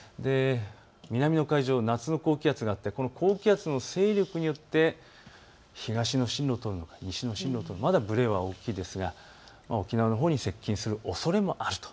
南の海上、夏の高気圧があってこの高気圧の勢力によって東の進路を通るのか、西の進路を通るのかまだぶれが大きいですが沖縄のほうに接近するおそれもあると。